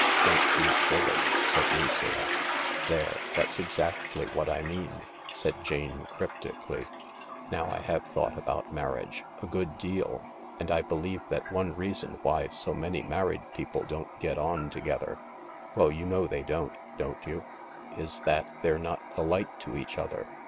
" Don't be silly," said Lucilla, "There— that's exactly what I mean," said Jane crypti cally, " Now I have thought about marriage — a good deal ; and I believe that one reason why so many married people don't get on together ^well, you know they don't, don't you ?— is that they're not polite to each other.